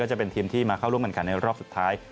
จะเป็นทีมที่มาเข้าร่วมกันขันในรอบสุดท้าย